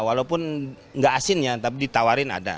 walaupun gak asin ya tapi ditawarin ada